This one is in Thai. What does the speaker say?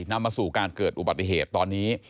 นำมาสู่การเกิดอุบัติเหตุตอนนี้